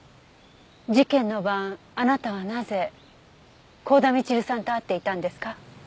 事件の晩あなたはなぜ幸田みちるさんと会っていたんですか？